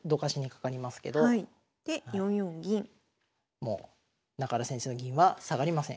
もう中原先生の銀は下がりません。